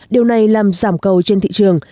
điều này làm giảm cầu trên thị trường